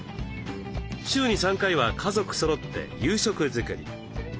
週に３回は家族そろって夕食づくり。